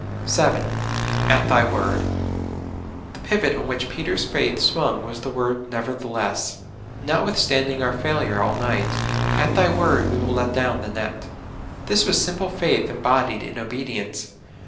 7. ''At thy wordy The pivot on which Peter's faith swung was the word '' nevertheless. '' Notwith standing our failure all night, " at Thy word w^e will let down the net. '' This was simple faith embodied in obedience.